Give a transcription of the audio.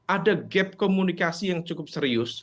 ada gap komunikasi yang cukup serius